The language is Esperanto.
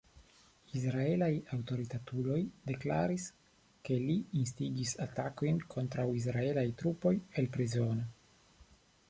Israelaj aŭtoritatuloj deklaris, ke li instigis atakojn kontraŭ israelaj trupoj el prizono.